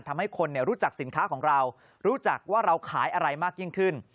ทำให้คนรู้จักสินค้าของเรารู้จักว่าเราขายอะไรมากยิ่งขึ้น